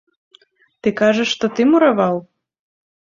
Ты кажаш, што ты мураваў?